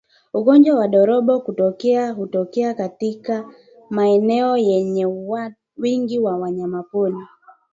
Ugonjwa wa ndorobo hutokea hutokea katika maeneo yenye wingi wa wanyamapori